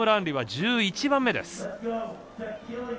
りは１１番目です。